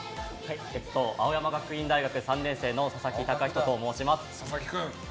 青山学院大学３年生の佐々木崇仁と申します。